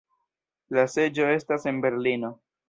La seĝo estas en Berlino.